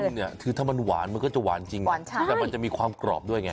เนี่ยคือถ้ามันหวานมันก็จะหวานจริงแต่มันจะมีความกรอบด้วยไง